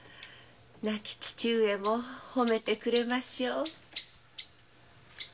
亡き父上も褒めてくれましょう。